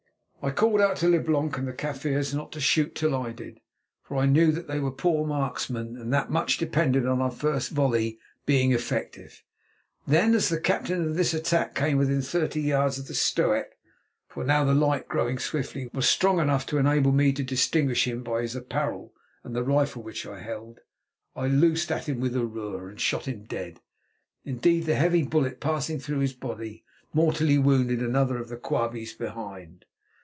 I called out to Leblanc and the Kaffirs not to shoot till I did, for I knew that they were poor marksmen and that much depended upon our first volley being effective. Then as the captain of this attack came within thirty yards of the stoep—for now the light, growing swiftly, was strong enough to enable me to distinguish him by his apparel and the rifle which he held—I loosed at him with the roer and shot him dead. Indeed the heavy bullet passing through his body mortally wounded another of the Quabies behind.